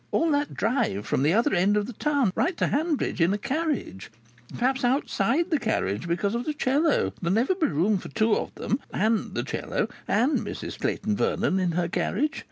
All that drive from the other end of the town right to Hanbridge in a carriage! Perhaps outside the carriage, because of the 'cello! There'll never be room for two of them and the 'cello and Mrs Clayton Vernon in her carriage!